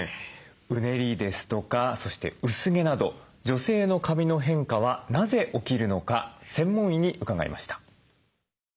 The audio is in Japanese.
うねりですとかそして薄毛など女性の髪の変化はなぜ起きるのか専門医に伺いました。